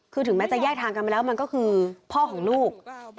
คือถึงแม้จะแยกทางกันไปแล้วมันก็คือพ่อของลูก